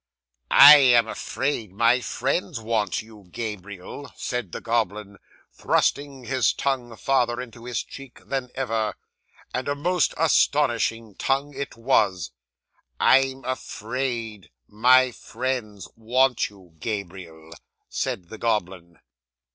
'"I am afraid my friends want you, Gabriel," said the goblin, thrusting his tongue farther into his cheek than ever and a most astonishing tongue it was "I'm afraid my friends want you, Gabriel," said the goblin.